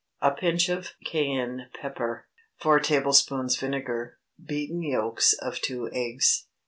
A pinch of cayenne pepper. 4 tablespoonfuls vinegar. Beaten yolks of two eggs.